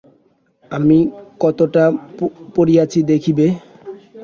আমি কতটা পড়িয়াছি দেখিবে?